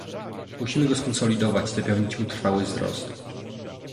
Musimy go skonsolidować i zapewnić mu trwały wzrost